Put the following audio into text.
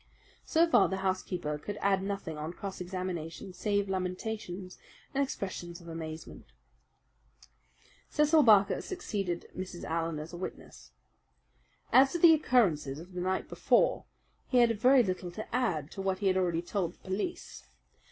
So far the housekeeper could add nothing on cross examination save lamentations and expressions of amazement. Cecil Barker succeeded Mrs. Allen as a witness. As to the occurrences of the night before, he had very little to add to what he had already told the police.